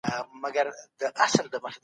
حکومتونه ولي د بیان ازادي خوندي کوي؟